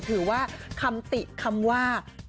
ถือว่าคำติคำว่า